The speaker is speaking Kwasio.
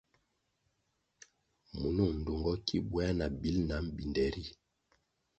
Munung ndtungo ki buéah na bil nam binde ri.